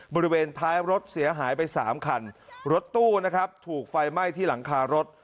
บริเวณท้ายรถเสียหายไปสามคันรถตู้นะครับถูกไฟไหม้ที่หลังคารถ